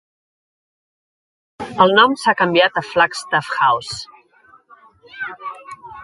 El nom s'ha canviat a Flagstaff House.